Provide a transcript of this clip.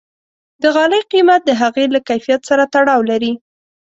د غالۍ قیمت د هغې له کیفیت سره تړاو لري.